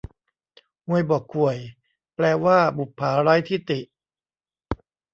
ฮวยบ่อข่วย แปลว่าบุปผาไร้ที่ติ